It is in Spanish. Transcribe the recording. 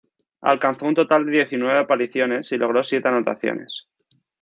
Alcanzó un total de diecinueve apariciones y logró siete anotaciones.